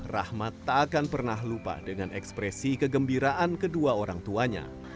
rahmat tak akan pernah lupa dengan ekspresi kegembiraan kedua orang tuanya